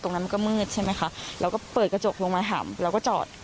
ตรงนั้นมันก็มืดใช่ไหมค่ะแล้วก็เปิดกระจกลงมาถามเราก็จอด